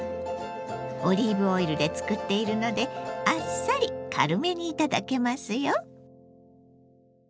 オリーブオイルで作っているのであっさり軽めに頂けますよ。